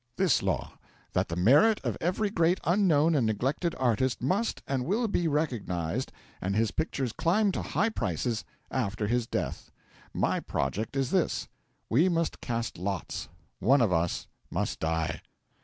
This law: that the merit of every great unknown and neglected artist must and will be recognised and his pictures climb to high prices after his death. My project is this: we must cast lots one of us must die."